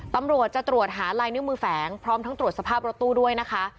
ตำรวจจะตรวจหาลายนิ้วมือแฝงพร้อมทั้งตรวจสภาพรถตู้ด้วยนะคะ